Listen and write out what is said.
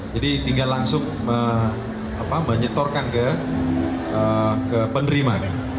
jadi tinggal langsung menyetorkan ke penerima ke rekening penerima